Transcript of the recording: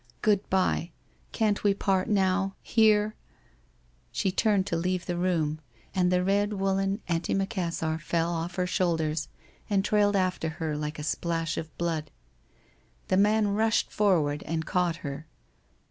Good bye, can't we part now — here ?' She turned to leave the room, and the red woollen anti macassar fell off her shoulders, and trailed after her like a splash of blood. The man rushed forward and caught her.